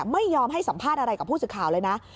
ไม่ยอมให้สัมภาษณ์อะไรกับผู้สื่อข่าวเลยนะ